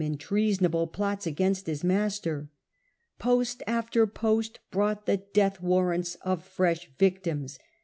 piirtisansof treasonable plots against his master. Post Sejanus. brought the death warrants of fresh victims.